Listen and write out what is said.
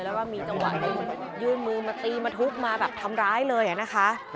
แล้วก็มีจังหวะหนึ่งยื่นมือมาตีมาทุบมาแบบทำร้ายเลยนะคะ